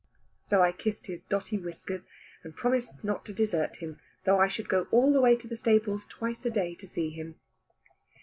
So I kissed his dotty whiskers, and promised not to desert him, though I should go all the way to the stables twice a day to see him.